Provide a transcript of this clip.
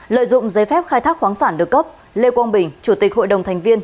lợi dụng giấy phép khai thác khoáng sản được cấp lê quang bình chủ tịch hội đồng thành viên